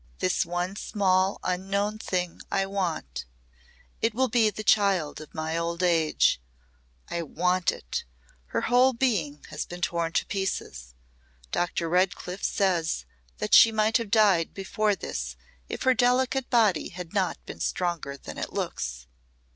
"This one small unknown thing I want. It will be the child of my old age. I want it. Her whole being has been torn to pieces. Dr. Redcliff says that she might have died before this if her delicate body had not been stronger than it looks."